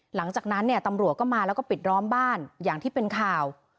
หลังจากนั้นเนี่ยตำรวจก็มาแล้วก็ปิดล้อมบ้านอย่างที่เป็นข่าว